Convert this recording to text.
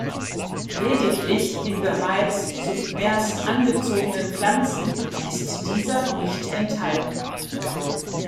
Lediglich in bereits submers angezogenen Pflanzen ist dieser nicht enthalten.